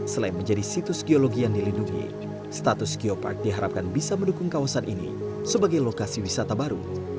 selain menjadi situs geologi yang dilindungi status geopark diharapkan bisa mendukung kawasan ini sebagai lokasi wisata baru